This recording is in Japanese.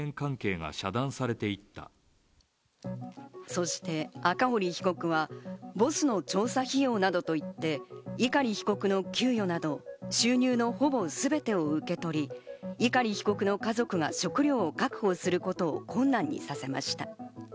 そして、赤堀被告はボスの調査費用などと言って、碇被告の給与など収入のほぼすべてを受け取り、碇被告の家族が食料を確保することを困難にさせました。